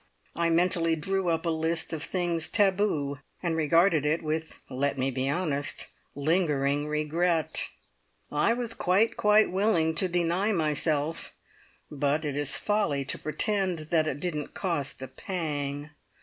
I mentally drew up a list of things taboo, and regarded it with let me be honest lingering regret. I was quite, quite willing to deny myself, but it is folly to pretend that it didn't cost a pang.